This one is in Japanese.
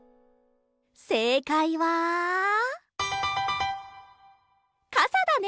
せいかいはかさだね！